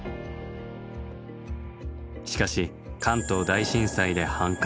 しかし関東大震災で半壊。